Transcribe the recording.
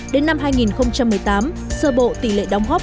đến năm hai nghìn một mươi tám sơ bộ tỷ lệ đồng hóp